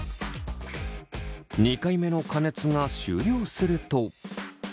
２回目の加熱が終了すると。